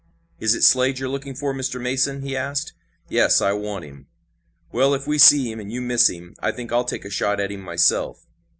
"Is it Slade you're looking for, Mr. Mason?" he asked. "Yes, I want him!" "Well, if we see him, and you miss him, I think I'll take a shot at him myself."